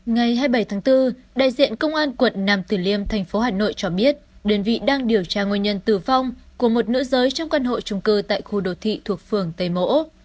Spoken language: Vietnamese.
ngày hai mươi bảy tháng bốn đại diện công an quận nam tử liêm thành phố hà nội cho biết đơn vị đang điều tra nguyên nhân tử vong của một nữ giới trong căn hộ trung cư tại khu đồ thị thuộc phường tây mỗ